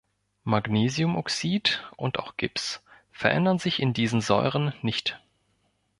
Magnesiumoxid und auch Gips verändern sich in diesen Säuren nicht.